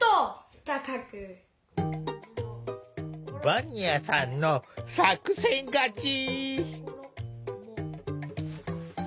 ヴァニアさんの作戦勝ち！